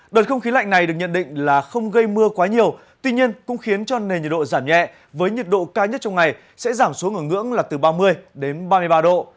đợt không khí lạnh này được nhận định là không gây mưa quá nhiều tuy nhiên cũng khiến cho nền nhiệt độ giảm nhẹ với nhiệt độ cao nhất trong ngày sẽ giảm xuống ở ngưỡng là từ ba mươi đến ba mươi ba độ